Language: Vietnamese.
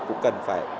cũng cần phải